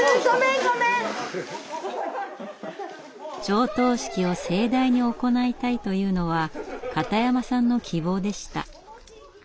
上棟式を盛大に行いたいというのは片山さんの希望でした。